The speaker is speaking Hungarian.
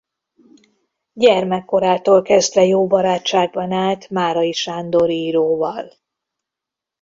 Gyermekkorától kezdve jó barátságban állt Márai Sándor íróval.